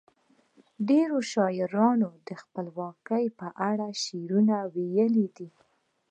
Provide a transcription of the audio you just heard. ډیرو شاعرانو د خپلواکۍ په اړه شعرونه ویلي دي.